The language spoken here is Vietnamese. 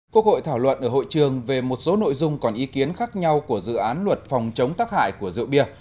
quốc hội thảo luận ở hội trường về một số nội dung còn ý kiến khác nhau của dự án luật phòng chống tác hại của rượu bia